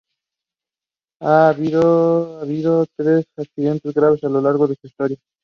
Ha habido tres accidentes graves a lo largo de su historia.